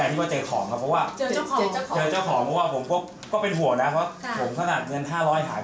อันนี้๒ล้านกว่า๓ล้านนะคะ